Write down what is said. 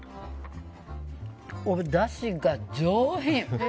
おだしが上品。